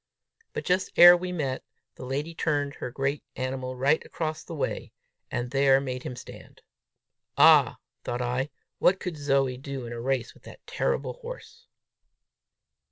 But, just ere we met, the lady turned her great animal right across the way, and there made him stand. "Ah," thought I, "what could Zoe do in a race with that terrible horse!"